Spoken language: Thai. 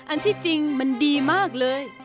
อันที่จริงมันดีมากเลย